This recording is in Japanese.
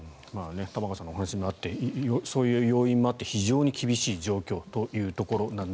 玉川さんのお話にもあったようにそういう要因があって非常に厳しい状況だと。